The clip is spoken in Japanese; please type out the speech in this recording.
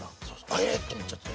えっ！と思っちゃって。